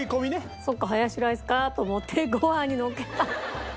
そっかハヤシライスかと思ってご飯にのっけて。